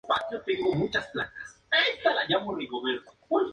Es el padre de Mariano Pasini, ex futbolista.